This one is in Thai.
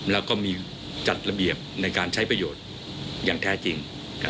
แล้วก็มีจัดระเบียบในการใช้ประโยชน์อย่างแท้จริง